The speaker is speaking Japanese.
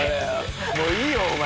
もういいよお前。